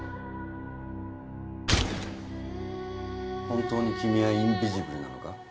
本当に君はインビジブルなのか？